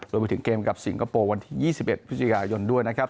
รวมไปถึงเกมกับสิงคโปร์วันที่๒๑พฤศจิกายนด้วยนะครับ